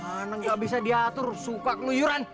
anak gak bisa diatur suka keluyuran